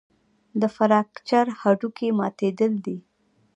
د فراکچر هډوکی ماتېدل دي.